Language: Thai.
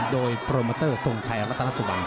โดยโปรเมอร์เตอร์ทรงไทยรัฐนักสุบัง